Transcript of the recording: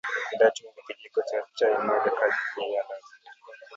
andaa Chumvi Kijiko cha chai moja kaajili ya ladha